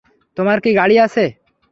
তোমার কি গাড়ি আছে?